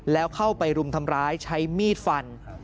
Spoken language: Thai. แล้วเข้าไปรุมทำร้ายใช้มีดฟัน